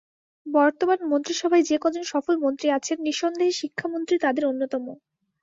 বর্তমান মন্ত্রিসভায় যে কজন সফল মন্ত্রী আছেন, নিঃসন্দেহে শিক্ষামন্ত্রী তাঁদের অন্যতম।